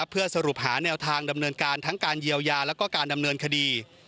เพื่อสรุปหาแนวทางดำเนินการทั้งการเยียวยาแล้วก็การดำเนินคดี